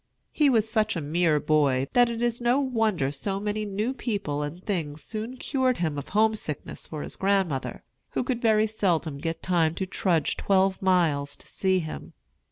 He was such a mere boy, that it is no wonder so many new people and things soon cured him of homesickness for his grandmother, who could very seldom get time to trudge twelve miles to see him.